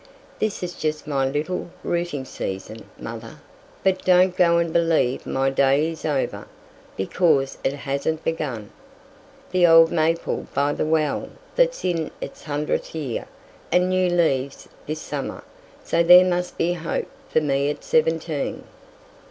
This is just my little 'rooting season,' mother, but don't go and believe my day is over, because it hasn't begun! The old maple by the well that's in its hundredth year had new leaves this summer, so there must be hope for me at seventeen!"